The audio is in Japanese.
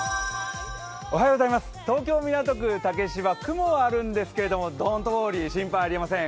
東京・港区竹芝、雲はあるんですけど、ドント・ウォーリー、心配いりません。